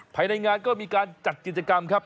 ภายในงานก็มีการจัดกิจกรรมครับ